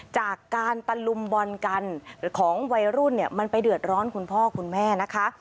จากการตะลุมบอลกันของวัยรุ่นเนี่ยมันไปเดือดร้อนคุณพ่อคุณแม่นะคะ